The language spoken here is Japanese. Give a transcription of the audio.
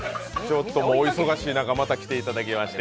お忙しい中、また来ていただきまして。